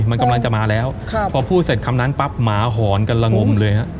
มันกำลังจะมาแล้วพอพูดเสร็จคำนั้นปั๊บหมาหอนกันละงมเลยฮะ